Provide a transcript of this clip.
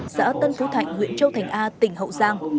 xã tân phú thạnh huyện châu thành a tỉnh hậu giang